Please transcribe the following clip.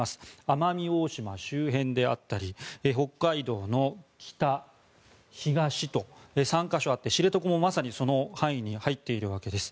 奄美大島周辺であったり北海道の北、東と３か所あって知床もまさにその範囲に入っているわけです。